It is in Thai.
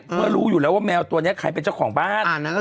เมื่อรู้อยู่แล้วว่าแมวตัวนี้ใครเป็นเจ้าของบ้าน